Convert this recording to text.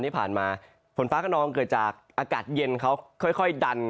ผนฟ้ากนนองเกิดจากอากาศเย็นเขา